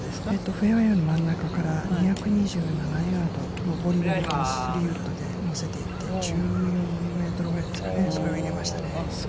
フェアウエーの真ん中から、２２７ヤード上りをスリーウッドで乗せていって、１４メートルぐらいですかね、それを入れましたね。